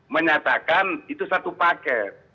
menyatakan itu satu paket